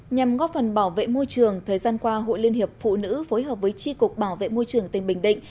nhằm góp phần bảo vệ môi trường thời gian qua hội liên hiệp phụ nữ phối hợp với tri cục bảo vệ môi trường tỉnh bình định